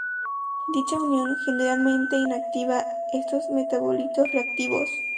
Dicha unión, generalmente inactiva estos metabolitos reactivos.